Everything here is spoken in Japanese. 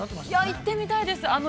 ◆行ってみたいです。